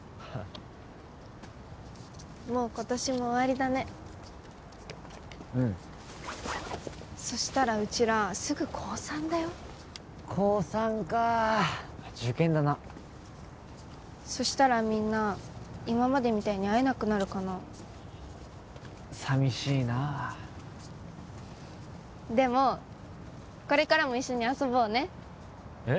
もう今年も終わりだねうんそしたらうちらすぐ高３だよ高３かあ受験だなそしたらみんな今までみたいに会えなくなるかな寂しいなでもこれからも一緒に遊ぼうねえっ？